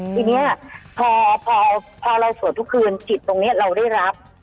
ทีนี้พอเราสวดทุกคืนจิตตรงนี้เราได้รับ